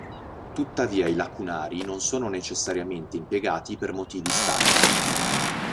Tuttavia i lacunari non sono necessariamente impiegati per motivi statici.